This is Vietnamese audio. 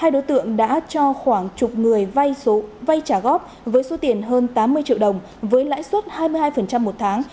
hai đối tượng đã cho khoảng chục người vay trả góp với số tiền hơn tám mươi triệu đồng với lãi suất hai mươi hai một tháng